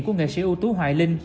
của nghệ sĩ ưu tú hoài linh